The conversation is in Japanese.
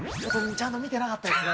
ちゃんと見てなかったですね。